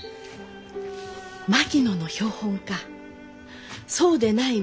槙野の標本かそうでないものか